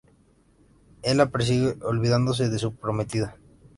Él la persigue olvidándose de su prometida.